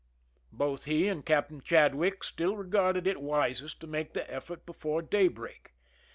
Both he and Captain Chadwick still regarded it wisest to make the effort before daybreak.